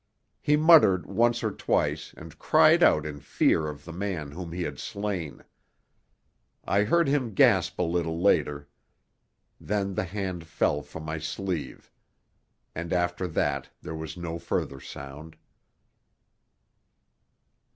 He muttered once or twice and cried out in fear of the man whom he had slain. I heard him gasp a little later. Then the hand fell from my sleeve. And after that there was no further sound.